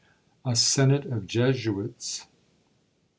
] A SENATE OF JESUITS.